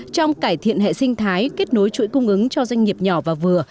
trong cải thiện hệ sinh thái kết nối chuỗi cung ứng cho doanh nghiệp nhỏ và vừa